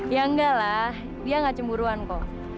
ya enggak lah dia nggak cemburu ko